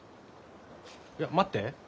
いや待って。